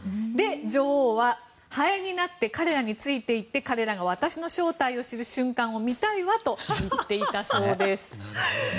女王は、ハエになって彼らについていって彼らが私の正体を知る瞬間を見たいわと言っていたそうです。